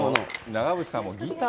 長渕さん